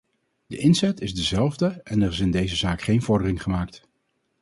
De inzet is dezelfde en er is in deze zaak geen vordering gemaakt.